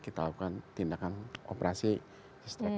kita lakukan tindakan operasi stroke